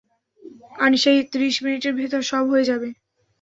আনিশা ত্রিশ মিনিটের ভেতর সব হয়ে যাবে।